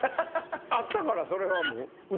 あったからそれはもう。